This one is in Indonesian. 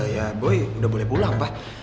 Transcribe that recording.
ya gue udah boleh pulang pak